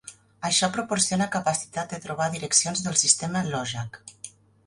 Això proporciona capacitat de trobar direccions del sistema LoJack.